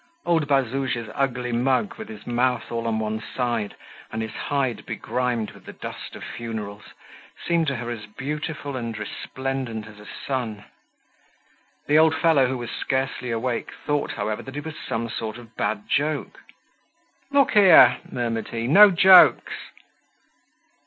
Old Bazouge's ugly mug, with his mouth all on one side and his hide begrimed with the dust of funerals, seemed to her as beautiful and resplendent as a sun. The old fellow, who was scarcely awake thought, however, that it was some sort of bad joke. "Look here," murmured he, "no jokes!"